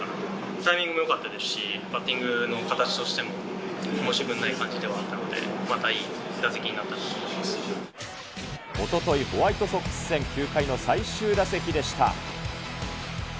タイミングもよかったですし、バッティングの形としても申し分ない感じではあったので、また、おととい、ホワイトソックス戦、９回の最終打席でした。